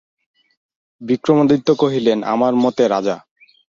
বিক্রমাদিত্য কহিলেন, আমার মতে রাজা।